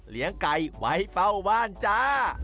เลี้ยงไก่ไว้เฝ้าบ้านจ้า